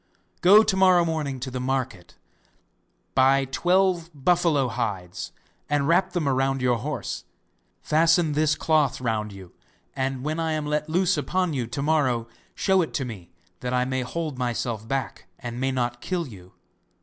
Go to morrow morning to the market, buy twelve buffalo hides and wrap them round your horse; fasten this cloth round you, and when I am let loose upon you to morrow show it to me, that I may hold myself back and may not kill you.